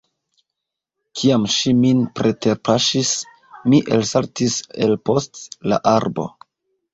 Kiam ŝi min preterpaŝis mi elsaltis el post la arbo.